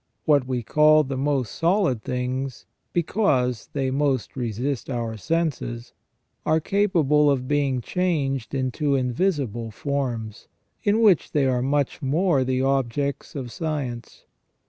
What we call the most solid things, because they most resist our senses, are capable of being changed into invisible forms, in which they are much more the objects of science.